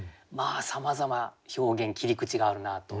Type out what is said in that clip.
さまざま表現切り口があるなと。